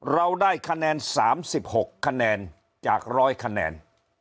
เราได้คะแนน๓๖คะแนนจาก๑๐๐คะแนน